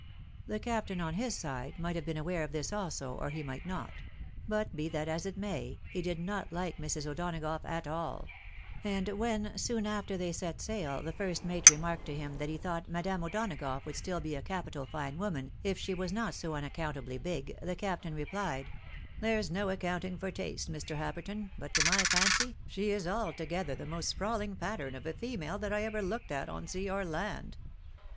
The captain, on his side, might have been aware of this also, or he might not ; but be that as it may, he did not like Mrs. O'Donagough at all : and when, soon after they set sail, the iirst mate remarked to him that he thought Madame O'Donagough would still be a capital fine woman, if she was not so unaccountably big, the captain replied, " There's no accounting for taste, Mr. Happerton, but to my fancy, she is altogether the most sprawling pattern of a female that I ever looked at on sea or land."